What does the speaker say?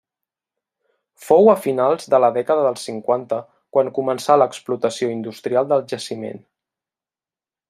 Fou a finals de la dècada dels cinquanta quan començà l'explotació industrial del jaciment.